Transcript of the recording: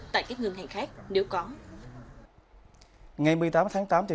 tại các ngân hàng khác nếu có